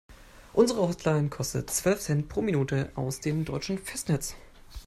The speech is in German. Unsere Hotline kostet zwölf Cent pro Minute aus dem deutschen Festnetz.